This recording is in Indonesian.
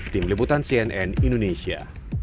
tim liputan cnn indonesia